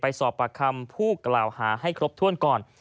สอบประคำผู้กล่าวหาให้ครบถ้วนก่อน